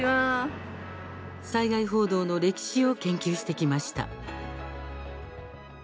災害報道の歴史を研究してきました。